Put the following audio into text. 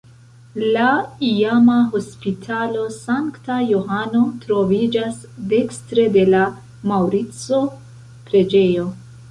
La iama Hospitalo Sankta Johano troviĝas dekstre de la Maŭrico-preĝejo.